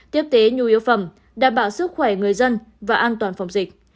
tiếp tế nhu yếu phẩm đảm bảo sức khỏe người dân và an toàn phòng dịch